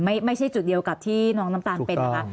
ไม่ใช่จุดเดียวกับที่น้องน้ำตาลเป็นนะคะ